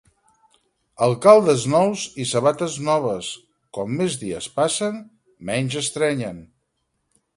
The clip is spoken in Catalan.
Alcaldes nous i sabates noves, com més dies passen, menys estrenyen.